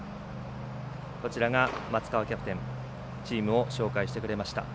松川キャプテンチームを紹介してくれました。